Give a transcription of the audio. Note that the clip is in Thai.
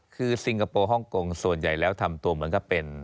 คือซิงคโปร์ฮ่องกงส่วนใหญ่แล้วทำตัวเหมือนกับเป็น